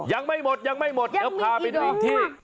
ยังไม่หมดเดี๋ยวพาเป็นพิษที่